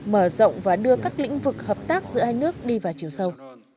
mở rộng và đưa các lĩnh vực hợp tác giữa hai nước đi vào chiều sâu